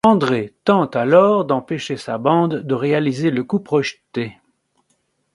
André tente alors d'empêcher sa bande de réaliser le coup projeté.